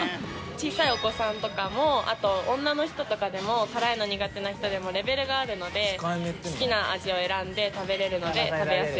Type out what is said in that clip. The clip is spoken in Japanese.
小さいお子さんとかもあと女の人とかでも辛いの苦手な人でもレベルがあるので好きな味を選んで食べれるので食べやすいと思います。